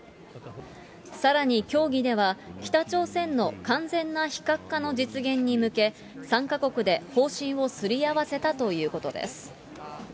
さらに協議では、北朝鮮の完全な非核化の実現に向け、３か国で方針をすり合わせたということです。